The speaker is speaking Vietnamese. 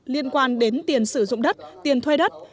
liên quan đến tiền sử dụng đất tiền thuê đất